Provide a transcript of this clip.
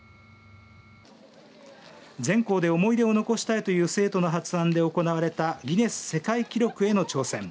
全校で思い出を残したいという生徒の発案で行われたギネス世界記録への挑戦。